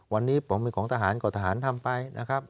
วันนี้ผมเป็นของทหารก็ทหารทำไปนะครับ